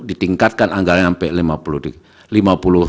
ditingkatkan anggaran sampai lima puluh triliun lebih